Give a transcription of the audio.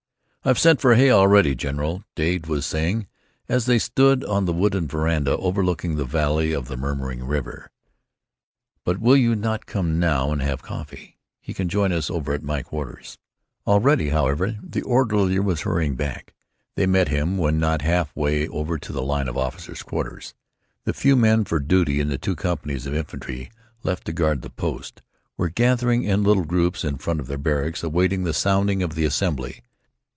"I have sent for Hay already, general," Dade was saying, as they stood on the wooden veranda overlooking the valley of the murmuring river; "but will you not come now and have coffee? He can join us over at my quarters." Already, however, the orderly was hurrying back. They met him when not half way over to the line of officers' quarters. The few men for duty in the two companies of infantry, left to guard the post, were gathering in little groups in front of their barracks, awaiting the sounding of the assembly.